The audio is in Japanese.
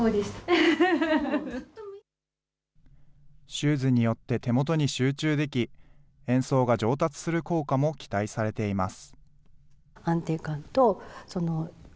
シューズによって手元に集中でき、演奏が上達する効果も期待されています。